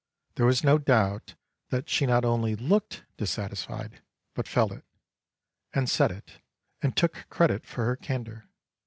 There was no doubt that she not only looked dissatisfied, but felt it, and said it, and took credit for her candour.